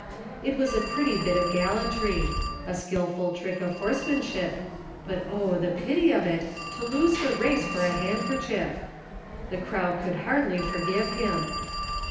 It was a pretty bit of gallantry; a skilful trick of horsemanship, but, oh, the pity of it, to lose the race for a handker chief ! The crowd could (hardly forgive him.